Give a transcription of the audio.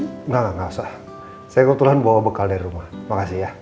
enggak enggak enggak usah saya kebetulan bawa bekal dari rumah makasih ya